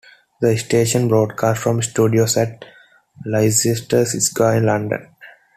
The station broadcasts from studios at Leicester Square in London.